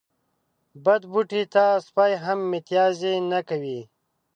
بد بوټي ته سپي هم متازې نه کوي.